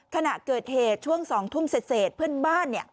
ขณะเกิดเหตุช่วง๒ทุ่มเสร็จเพื่อนบ้าน